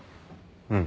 うん。